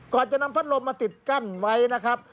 ก่อนจะนำพัดลมมาติดกั้นไว้นะครับ